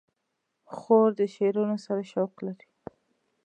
خور د شعرونو سره شوق لري.